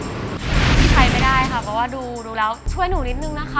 ไม่ได้ค่ะเพราะว่าดูแล้วช่วยหนูนิดนึงนะคะ